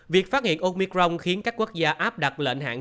việc phát hiện omicron khiến các quốc gia áp đặt lệnh hạn